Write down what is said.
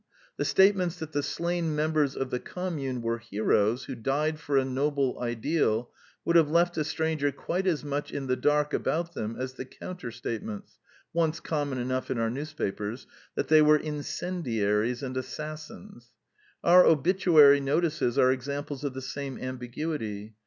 The state ments that the slain members of the Commune were heroes who died for a noble ideal would have left a stranger quite as much in the dark about them as the counter statements, once com mon enough in our newspapers, that they were incendiaries and assassins. Our obituary notices are examples of the same ambiguity.